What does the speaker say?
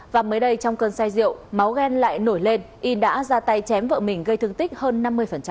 và mới đây trong cơn say rượu máu ghen lại nổi lên y đã ra tay chém vợ mình gây thương tích hơn năm mươi